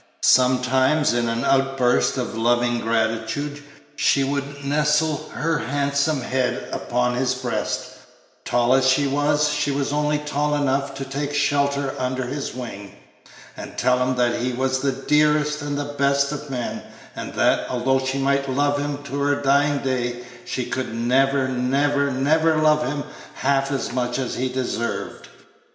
Sometimes, in an outburst of loving gratitude, she would nestle her handsome head upon his breast tall as she was, she was only tall enough to take shelter under his wing and tell him that he was the dearest and the best of men, and that, although she might love him to her dying day, she could never, never, never love him half as much as he deserved.